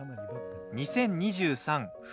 ２０２３冬。